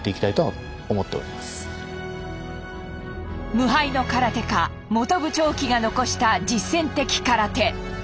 無敗の空手家本部朝基が残した実戦的空手。